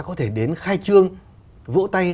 có thể đến khai trương vỗ tay